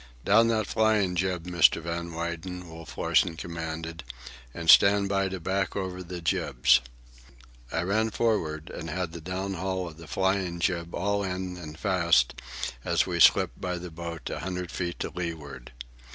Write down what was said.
"Down that flying jib, Mr. Van Weyden," Wolf Larsen commanded. "And stand by to back over the jibs." I ran forward and had the downhaul of the flying jib all in and fast as we slipped by the boat a hundred feet to leeward.